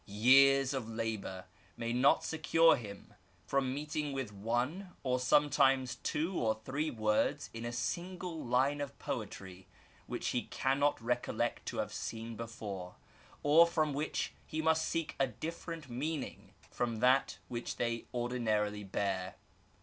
Years of labour may not secure him from meeting with one or sometimes two or three words in a single line of poetry which he cannot recollect to have 4Been before, or for which he must seek a dif ferent meaning from that which they ordinarily bear.